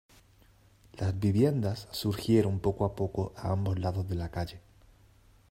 Las viviendas surgieron poco a poco a ambos lados de la calle.